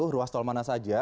ruas tol mana saja